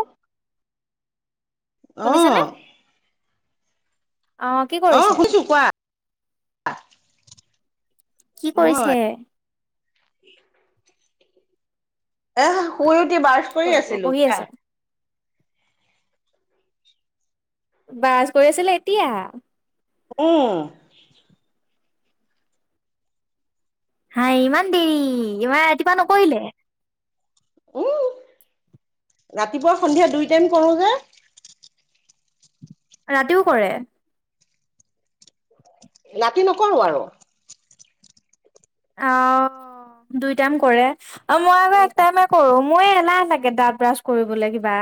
অ শুনিছেনে? আহ আহ কি আহ কৰিছে? শুনিছো কোৱা কি মই কৰিছে? এ শুই উঠি ব্ৰাছ কি কৰি কৰিব আছিলো। বহি আছে, ব্ৰাছ কৰি আছিলে এতিয়া? ওম হাই ইমান দেৰি ইমান ৰাতিুপুৱা নকৰিলে? উম ৰাতিপুৱা সন্ধিয়া দুই টাইম কৰো যে। ৰাতিওঁ কৰে? ৰাাতি নকৰো আৰু। অ' দুই টাইম কৰে? আৰু মই আকৌ এক টাইমে কৰো। মই এলাহ তাগে দাঁত ব্ৰাছ কৰিবলৈ কিবা।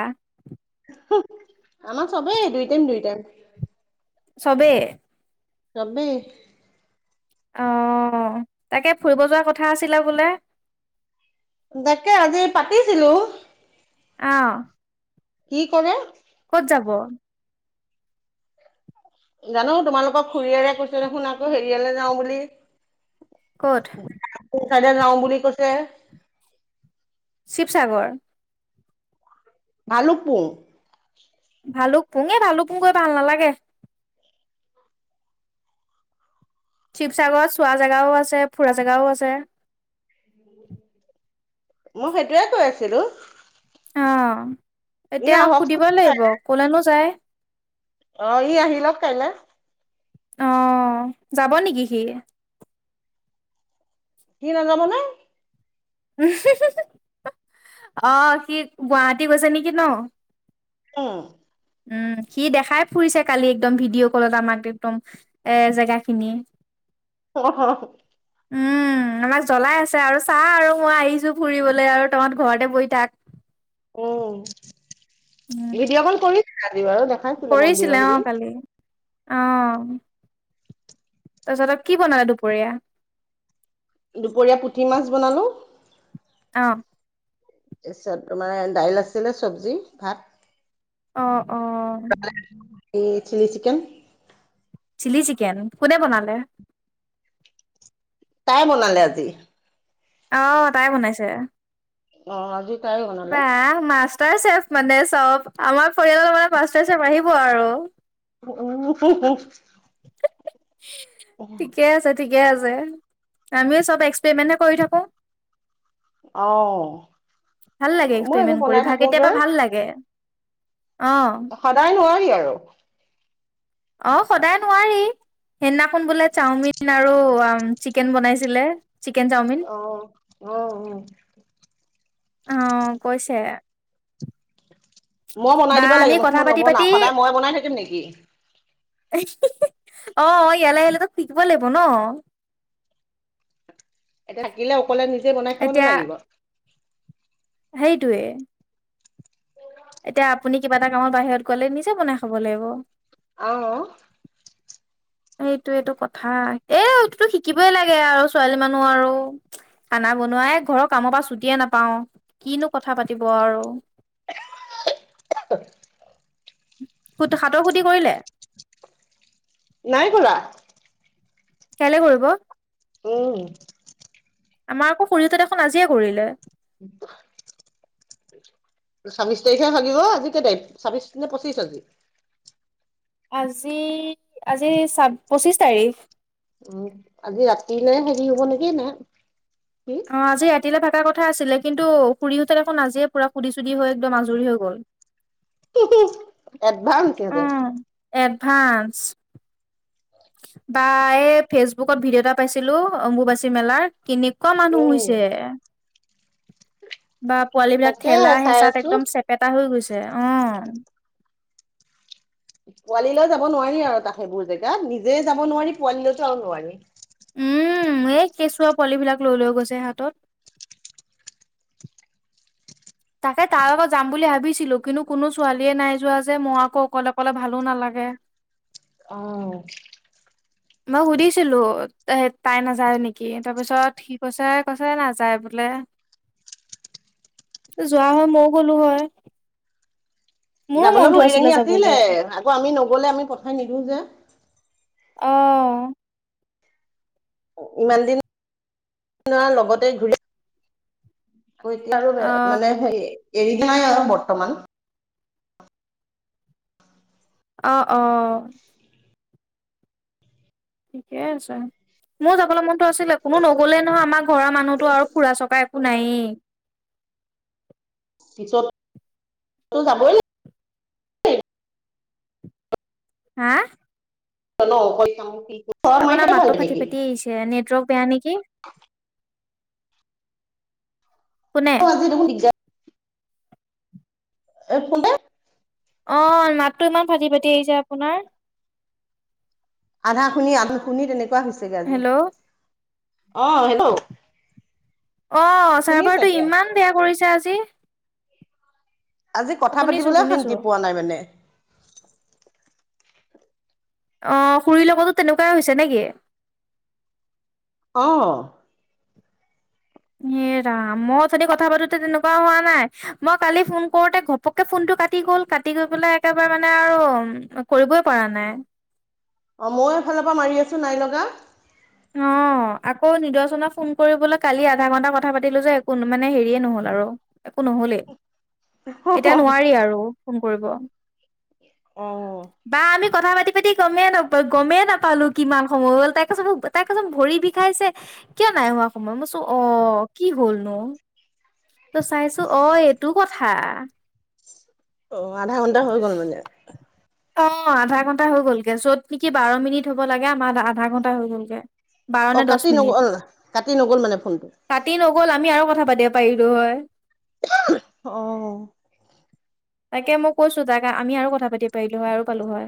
আমাৰ চবেই দুই টাইম দুই টাইম। চবেই। যাবি? অ' তাকে ফুৰিব যোৱা কথা আছিলা বোলে? তাকে আজি পাতিছিলো। আহ কি কৰে? ক'ত যাব? জানো তোমালোকৰ খুৰীয়েৰে কৈছে দেখোন আকৌ হেৰিয়ালে যাওঁ বুলি। ক'ত চাদে নাও বুলি কৈছে। শিৱসাগৰ ভালুকপুং ভালুকপুং ভালুপুং গৈ ভাল নালাগে। শিৱসাগৰত চোৱা জেগাও আছে, ফুৰা জেগাও আছে। মই সেইটোৱে কৈ আছিলো। অ' ই এতিয়া সুধিব আহকচোন লাগিব কলেনো যায়। অ' ই আহিলক কাইলৈ। আহ যাব নেকি সি? সি নাযাব নে। আহ সি গুৱাহাটী গৈছে নেকি ন? উম উম', সি দেখাই ফুৰিছে কালি একদম ভিডিঅ' কলত আমাক একদম এ জেগা খিনি [inaudible] অ হ-হ [unintelligible] উম। উম, আমাক জ্বলাই আছে আৰু, চা আৰু মই আহিছো ফুৰিবলৈ আৰু তোহত ঘৰতে বহি থাক। উম, উম ভিডিঅ' কল কৰিম কৰিছিলে অ' কালি, অহ তাৰপিছতে কি বনালে দুপৰীয়া? দুপৰীয়া পুঠি মাছ বনালোঁ। অ' তাৰপিছত তোমাৰ দাইল আছিলে, চব্জি, ভাত অ' অ [unintelligible] এই চিলি চিকেন। চিলি চিকেন, কোনে বনালে? তাই বনালে আজি। অহ' তাই বনাইছে। অ' আজি তাই বনালে। তাই চেফ মানে চ'ব, আমাৰ পৰিয়ালৰ মানে মাষ্টাৰ চেফ আহিব আৰু উম, হো-হো। ঠিকে আছে, ঠিক ঠিকে আছে, আমিও চ'ব এক্সপেৰিমেন্টে হে কৰি থাকো। অ ভাল লাগে, মই এইবোৰ এক্সপেৰিমেণ্ট কৰি বনাই ভা থাকো যে কেতিয়াবা ভাল লাগে। অ সদায় নোৱাৰি আৰু অ' সদায় নোৱাৰি। সেইদিনাখন বোলে চাওমিন আৰু চিকেন বনাইছিলে। চিকেন চাওমিন অহ' অ'অ'। অ' কৈছে। মই বনাই বা দিব আমি লাগে, মচো কথা মই পাতি পাতি নবনাও সদাই মইয়ে বনাই থাকিম নেকি? অ' ইয়ালৈ আহিলে তো শিকিব লাগিব ন। [inaudible] এতিয়া থাকিলে অকলে নিজে বনাই খাব এতিয়া নালাগিব। সেইটোৱে। এতিয়া আপুনি কিবা এটা কামত বাহিৰত গ'লে নিজে বনাই খাব লাগিব। অহ' এইটোৱে টো কথা, এ এইটোটো শিকিবই লাগে আৰু ছোৱালী মানুহ আৰু, খানা খানা বনোৱাই ঘৰৰ কামৰ পৰা ছুটিয়ে নাপাওঁ, কিনো কথা পাতিব আৰু [inaudible] [unintelligible] সাতৰ খোধি কৰিলে? নাই কৰা। কাইলে কৰিব? উম। আমাৰ আকৌ খুৰীহতে দেখোন আজিয়ে কৰিলে। [unintelligible] ছাব্বিশ তাৰিখে ভাগিব, আজি কেই তাৰিখ? ছাব্বিশ নে পঁচিশ আজি? আজি, আজি চা পঁচিশ তাৰিখ। উম, আজি ৰাতিলে হেৰি হ'ব নেকি? নে কি? অ'আজি ৰাতিলে থকা কট থকা আছিলে কিন্তু খুুৰী হতে দেখোন আজিয়ে পুৰা সুধি চুধি হৈ একদম আজৰি হৈ গ'ল। এডভান্স সিহঁতে। এডভান্স। বা এই ফেচবুকত ভিডিঅ' এটা পাইছিলো অম্বুবাচী মেলাৰ। কেনেকুৱা মানুহ হৈছে। বা পোৱালী বিলাক তাকে ঠেলা চাই হেঁচাত আছো একদম চেপেটা হৈ গৈছে। অ' পোৱালিলৈও যাব নোৱাৰি আৰু তাক সেইবোৰ জেগাত নিজে যাব নোৱাৰি, পোৱালী লয়তো আৰু নোৱাৰি। উম, এই কেঁচুৱা পোৱালিবিলাক লৈ লৈ গৈছে হাতত। তাকে কাৰলগত যাম বুলি ভাবিছিলো। কিন্তু কোনো ছোৱালীয়ে নাই যোৱা যে মই আকৌ অকলে অকলে ভালো নালাগে। [inaudible] আহ মই সুধিছিলো, তাই নাযায় নেকি? তাৰপিছত সি কৈছে কৈছে নাযায় বোলে। যোৱা হয় মইও গ'লো হয়। মোৰো যাবলৈ মনটো ভৰি দঙি যাবলে আছিলে। আকৌ আমি নগলে আমি পঠাই নিদিওঁ যে। আহ ইমান দিন লগতে ঘূৰি। এতিয়া আৰু অ মানে হে এৰি দিয়া নাই আৰু বৰ্তমান অ' অ'। ঠিকেই আছে। মোৰ যাবলৈ মনতো আছিলে, কোনো নগলেই নহয়, আমাৰ ঘৰৰ মানুহতো আৰু ফুৰা চকা একো নায়েই। [inaudible] পিছত যাবই লাগিব [inaudible] হা [inaudible] আপোনাৰ থকাই ভাল মাতটো ফাটি নেকি ফাটি আহিছে, নেটৱৰ্ক বেয়া নেকি? কোনে ফজি দেখোন দিগদাৰ। এইফালে অ' মাতটো ইমান ফাটি ফাটি আহিছে আপোনাৰ। আধা শুনি, আধা শুনি তেনেকুৱা হৈছেগে আজি। হেল্ল' অ' হেল্ল' অ' শুনিছা চাৰ্ভাৰটো এতিয়া? ইমান বেয়া কৰিছে আজি। আজি কথা শুনিছো পাতিবলৈ শুনিছো শান্তি পোৱা নাই মানে। আহ খুৰীৰ লগতো তেনেকুৱাই হৈছে নেকি? অ' হে ৰাম মই অথনি কথা পাতোতে তেনেকুৱা হোৱা নাই, মই কালি ফোন কৰোতে ঘপকে ফোনটো। কাটি গ'ল, কাটি গৈ পেলাই একেবাৰে মানে আৰু কৰিবই পৰা নাই। অ' মই এফালৰ পৰা মাৰি আছো, নাই লগা। অ' আকৌ নিদৰ্শনা ফোন কৰিবলৈ কালি আধা ঘণ্টা কথা পাতিলো যে একো মানে হেৰিয়ে নহ'ল আৰু। একো নহ'লে ই এতিয়া নোৱাৰি আৰু ফোন কৰিব। আহ বা আমি কথা পাতি পাতি গমে না গমে নাপালো কিমান সময় হ'ল তাইক কতো। তাই কৈছে ভৰি বিষাইছে, কিয় নাই হোৱা সময়ত মই চো অ' কি হ'ল নো। তাৰ পিছত চাইছো অ' এইটো কথা। অ' আধা ঘন্টা হৈ গ'ল মানে। অ' আধা ঘণ্টা হৈ গলগৈ য'ত নেকি বাৰ মিনিট হ'ব লাগে, আমাৰ আধা ঘণ্টা হৈ গলগে। বাৰ অ নে দহ কাটি মিনিট নগ'ল কাটি নগ'ল মানে ফোনটো কাটি লো। গ'ল আমি আৰু কথা পাতিব পাৰিলো হয়। অ' তাকে মই কৈছো, তাক আমি আৰু কথা পাতিব পাৰিলো হয় আৰু পালো হয়।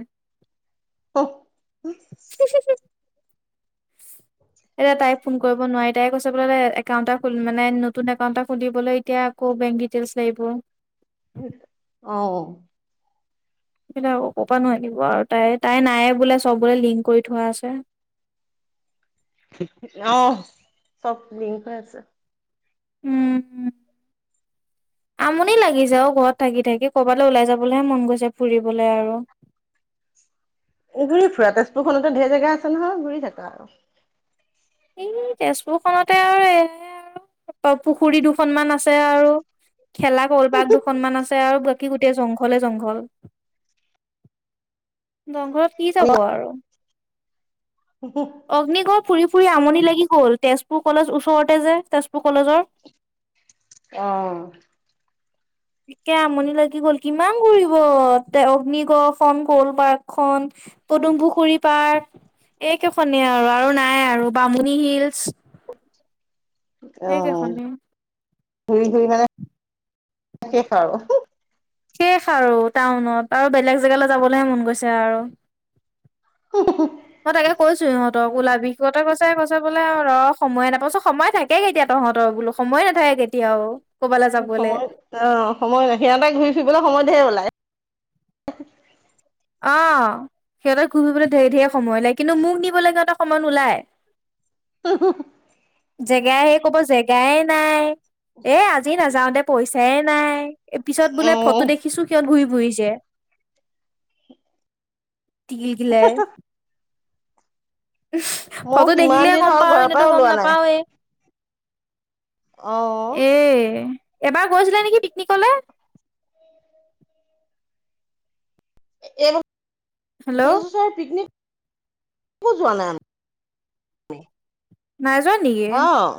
[unintelligible] [inaudible] এতিয়া তাই ফোন কৰিব নোৱাৰি, তাই কৈছে বোলে একাউন্টত মানে নতুন একাউণ্টা খুলিবলৈ এতিয়া আকৌ। বেংক ডিটেইলছ লাগিব। অহ' সেই বিলাক কৰপাৰা নো আহিব আৰু তাই তাই নায়ে বোলে চ'ব বোলে লিংক কৰি থোৱা আছে। [inaudible] আহ চ'ব লিংক হৈ আছে। উম, উম। আমনি লাগিছে। অ' ঘৰত থাকি থাকি কৰবালৈ ওলাই যাবলৈ হে মন গৈছে, ফুৰিবলৈ আৰু [inaudible] ঘূৰি ফুৰা তেজপুৰ খনতে ঢেৰ জেগা আছে নহয় ঘূৰি থাকা আৰু। এই তেজপুৰ খনতে আৰু এ আৰু পুখুৰী দুখনমান আছে আৰু খেলা কলপাক দুখনমান আছে আৰু বাকী গোটেই জংঘলে জংঘল। জংঘলত কি যাব আৰু? অগ্নিগড় ফুৰি ফুৰি আমনি লাগি গ'ল তেজপুৰ কলেজ ওচৰতে যে তেজপুৰ কলেজৰ। অ' একে আমনি লাগি গ'ল। কিমান ঘুৰিব তে অগ্নিগড় খন ক'ল পাৰ্কখনন। পদুম পুখুৰী পাৰ্ক এইকেইখনেই আৰু আৰু নাই আৰু বামুণী হিলচ। [inaudible] সেই কেইখনে। ঘূৰি ঘুৰি মানে শেষ আৰু। শেষ আৰু টাউনত আৰু বেলেগ জেগালৈ যাবলৈ হে মন গৈছে আৰু। মই তাকে কৈছো, ইহঁতক ওলাবি, সিহঁতে কৈছে কৈছে বোলে আৰু ৰ সময় নাপাওঁচোন সময় থাকে কেতিয়া। ত তহঁতৰ বোলো সময়ে নাথাকে কেতিয়াও। ক'বালৈ যাবলে সময় অ সময় ন সিহঁতে ঘূৰি ফুৰিবলৈ সময় ধেৰ ওলায়। আহ সিহঁতৰ ঘূৰি ফৰিবলৈ ধেৰ ধেৰ সময় ওলায়। কিন্তু মোক নিবলৈ সিহঁতৰ সময় নোলায়। [unintelligible] জেগাই শেষ ক'ব, জেগাই নাই। এ আজি নাযাও দে পইচাই নাই পিছত বোলে ফটো অ দেখিছো কিয়ত ঘূৰি ফুৰিছে। যে দি‌ দিলে। ময়ো ফটো কিমান দেখিলে হে দিন গ'ম হ'ল পাওঁ। ঘৰৰ এনেতো পৰাই গ'ম ওলোৱা নাই। নাপাওৱেই। অ'। এয়ে এবাৰ গৈছিলে নেকি পিকনিকলে? হেল্ল' [unintelligible] পিকনিক কতো জোৱা নাই? নাই যোৱা নেকি? অ',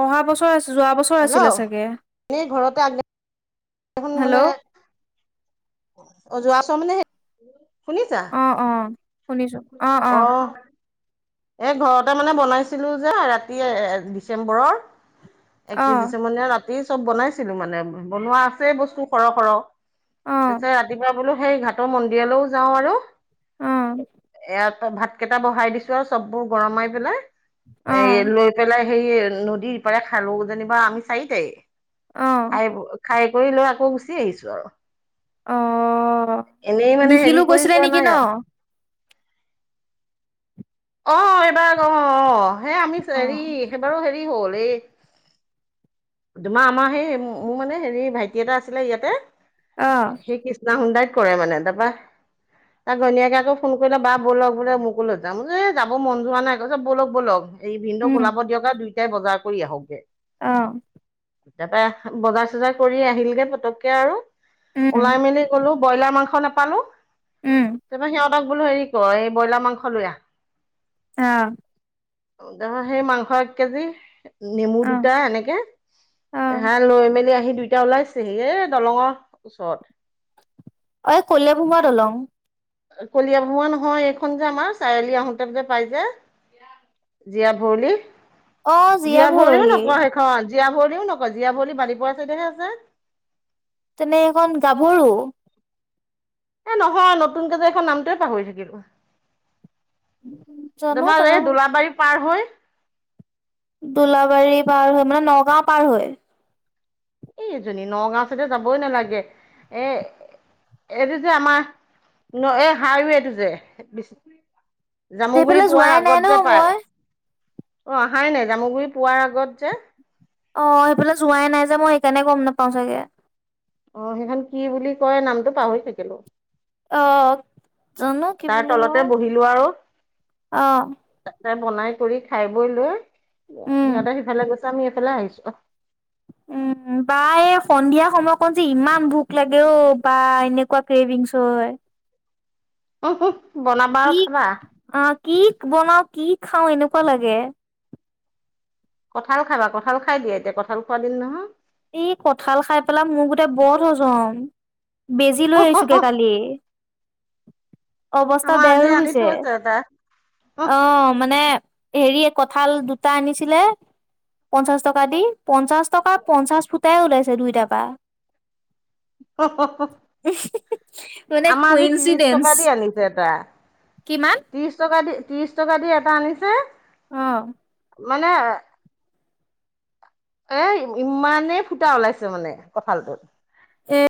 অহা বছৰ আ যোৱা বছৰ আছিলে হেল্ল'। চাগে। এইখন মানে হেল্ল' অ' যোৱাবছৰ মানে। শুনিছা, অ অ শুনিছো অ অ আহ। এই ঘৰতে মানে বনাইছিলো যে ৰাতি ডিচেম্বৰৰ। অ একত্ৰিশ দিচেম্বৰ মানে ৰাতি চ'ব বনাইছিলো মানে বনোৱা আছে বস্তু সৰহ সৰহ। অ পিছে ৰাতিপুৱা বোলো সেই ঘাটৰ মন্দিৰলৈও যাওঁ আৰু অ ইয়াত ভাত কেইটা বহাই দিছো আৰু চববোৰ গৰমাই পেলাই অ এ লৈ পেলাই। সেই নদীৰ পৰা খালো যেনিবা আমি চাৰিটাই অ খাই খাই কৰি লৈ আকৌ গুচি আহিছো, আৰু অ এনেই মানে হেৰি নিখিলো কৰি গৈছিলে যোৱা নেকি ন নাই আৰু অ' এইবাৰ অ' অ' সেই আমি অ হেৰি সেইবাৰো হেৰি হ'ল। হেই তোমাৰ আমাৰ সেই মোৰ মানে হেৰি ভাইটি এটা আছিলে ইয়াতে। অ সেই কৃষ্ণা হুন্দাইত কৰে মানে তাৰাপা। তাক ঘনীয়োকে আকৌ ফোন কৰিলে বা ব'লক বোলে মোকো লৈ যাম যে এই যাব মন যোৱা নাই। কৈছে ব'লক ব'লক এই ভিনদেউক ওলাব দিয়ক দুইটাই বজাৰ কৰি আহকগে। আহ এয়াৰপা বজাৰ চজাৰ কৰি আহিলগে পতককে আৰু উম ওলাই মেলি গলো। ব্ৰইলাৰ মাংস নাপালোৰ। উম সিহঁতৰ তাক বোলো হেৰি ক এই ব্ৰইলাৰ মাংস লৈ আহ। আহ হেই সেই মাংস এক কেজি নেমু অ দুটা এনেকে। অ হেয়া লৈ মেলি আহি দুইটা ওলাইছেহি এ দলঙৰ ওচৰত। অই কলিয়াভোমৰা দলং। কলিয়া ভোমোৰা নহয় এইখন যে আমাৰ চাৰিআলি আহোতে যে পাই যে। জীয়া ভৰলি, অ জীয়া ভৰলিও ভৰলি নকয় সেইখন। জীয়া ভৰলিও নকয়, জীয়া ভৰলি বালিপৰা চাইদেহে আছে। তেনে এইখন গাভৰু। এ নহয় নতুনকেই যে এখন নামটোৱে পাহৰি থাকিলো। জানো তোমাৰ এই তেনেহ'লে দোলাবাৰী পাৰ হৈ। দোলাবাৰী পাৰ হৈ মানে, নগাঁও পাৰ হৈ। এই এজনী নগাঁও চাইতে যাবই নালাগে এ। এইটো যে আমাৰ এই হাইৱেটো যে। জামুগুৰি সেইফালে পোৱাৰ যোৱাই নাই আগত ন যে পাই। মই অ' আহাই নাই জামুগুৰি পোৱাৰ আগত যে। অ' সেইফালে যোৱাই নাই যে মই সেইকাৰণে গ'ম নেপাওঁ চাগে। অ' সেইখন কি বুলি কয় নামটো পাহৰি থাকিলো। আহ জানো কি তাৰ বুলিো তলতে কয়। বহিলো আৰু আহ তাতে বনাই কৰি খাই বৈ লৈ উম সিহঁতে সিফালে গৈছে, আমি এইফালে আহিছো অ'। উম। বা এই সন্ধিয়া সময়কন যে ইমান ভোক লাগে অ' বা এনেকুৱা ক্ৰেভিংছ হয়। উ, উ, বনাবা আৰু কি খাবা। অ কি বনাও কি খাওঁ এনেকুৱা লাগে। কঁঠাল খাবা, কঁঠাল খাই দিয়ে, এতিয়া কঁঠাল খোৱ দিন নহয়। এই কঁঠাল খাই পেলাই মোৰ গোটেই বৰ হজম। বেজী লৈ আহিছোগে কালি। অৱস্থা আমাৰ বেয়া আজি হৈ আনি গৈছে থৈছে এটা অ' মানে। হেৰি কঠাল দুটা আনিছিলে পঞ্চাশ টকা দি পঞ্চাশ টকা। পঞ্চাশ ফুটাই ওলাইছে দুইটাৰ পৰা হ হ হ মানে আমাৰ আজি ত্ৰিশ কুইনচিডেন্স টকা দি আনিছে এটা কিমান ত্ৰিশ টকা দি ত্ৰিশ টকা দি এটা আনিছে অ মানে এ ইমানেই ফুটা ওলাইছে মানে কঁঠালটো এক